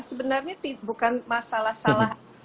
sebenarnya bukan masalah